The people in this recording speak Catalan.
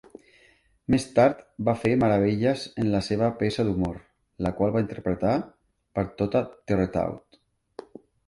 Més tard va fer meravelles en la seva peça d'humor, la qual va interpretar per tota Terre Haute.